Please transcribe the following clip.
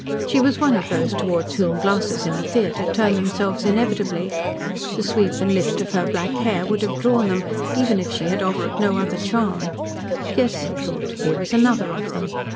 She was one of those towards whom glasses in a theatre turn themselves inevitably. The sweep and lift of her black hair would have drawn them, even if she had offered no other charm. Yes, he thought, here was another of them.